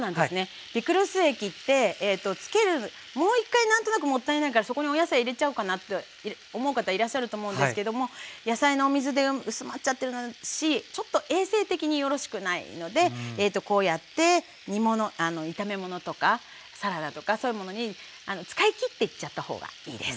ピクルス液って漬けるもう一回何となくもったいないからそこにお野菜入れちゃおうかなと思う方いらっしゃると思うんですけども野菜のお水で薄まっちゃってるしちょっと衛生的によろしくないのでこうやって炒め物とかサラダとかそういうものに使いきっていっちゃったほうがいいです。